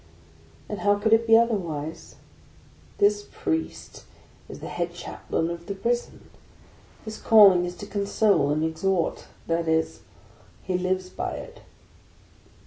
And how could it be otherwise? This Priest is the head Chaplain of the Prison ; his calling is to console and exhort, that is, he lives by it.